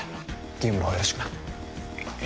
ゲームの方よろしくなえ